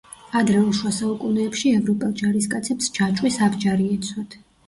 ადრეულ შუა საუკუნეებში ევროპელ ჯარისკაცებს ჯაჭვის აბჯარი ეცვათ.